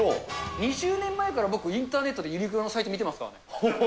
２０年前から、僕、インターネットでユニクロのサイト見てますから。